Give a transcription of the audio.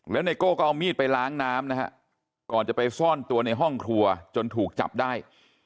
ไนโก้ก็เอามีดไปล้างน้ำนะฮะก่อนจะไปซ่อนตัวในห้องครัวจนถูกจับได้